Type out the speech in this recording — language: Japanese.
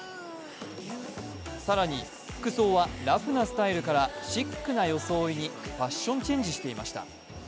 更に、服装はラフなスタイルからシックな装いに、ファッションチェンジしていました。